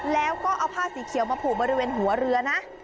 แล้วก็เอาผ้าสีเขียวมาผูกบริเวณหัวเรือนะ